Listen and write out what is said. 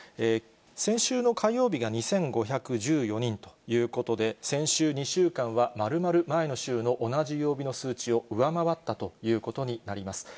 先週の火曜日が２５１４人ということで、先週２週間はまるまる前の週の同じ曜日の数値を上回ったということになります。